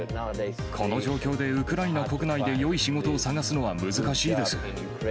この状況で、ウクライナ国内でよい仕事を探すのは難しいです。